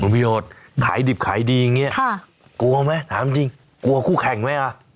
ประโยชน์ขายดิบขายดีอย่างเงี้ค่ะกลัวไหมถามจริงกลัวคู่แข่งไหมอ่ะ